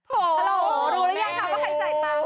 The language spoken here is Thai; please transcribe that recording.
โอ้โหรู้หรือยังคะว่าใครจ่ายตังค์